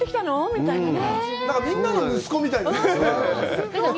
みんなの息子みたいですね。